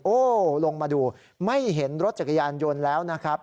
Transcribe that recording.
โอ้โหลงมาดูไม่เห็นรถจักรยานยนต์แล้วนะครับ